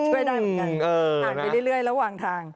ช่วยได้เหมือนกันผ่านไปเรื่อยระหว่างทาง